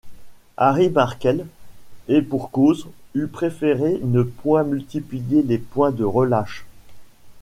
Harry Markel, et pour cause, eût préféré ne point multiplier les points de relâche.